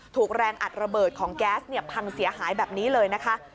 ถูกแรงอัดระเบิดของแก๊สเนี่ยพังเสียหายแบบนี้เลยนะคะ